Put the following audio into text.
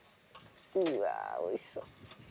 うわおいしそう。